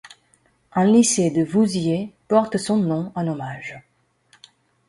Un lycée de Vouziers porte son nom en hommage.